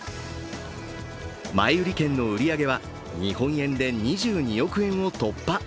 前売り券の売り上げは日本円で２２億円を突破。